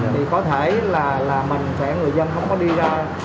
thì có thể là mình sẽ người dân không có đi ra